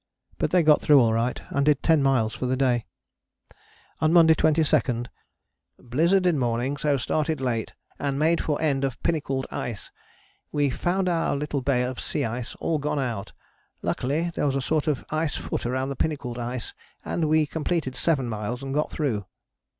But they got through all right, and did ten miles for the day. On Monday 22, "blizzard in morning, so started late, and made for end of Pinnacled Ice. We found our little bay of sea ice all gone out. Luckily there was a sort of ice foot around the Pinnacled Ice and we completed seven miles and got through."